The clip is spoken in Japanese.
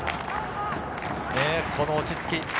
この落ち着き。